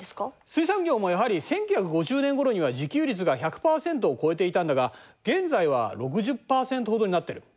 水産業もやはり１９５０年頃には自給率が１００％を超えていたんだが現在は６０％ほどになっている。